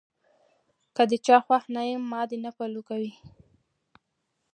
کۀ د چا خوښ نۀ يم ما دې نۀ فالو کوي -